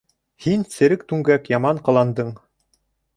— Һин, Серек Түңгәк, яман ҡыландың.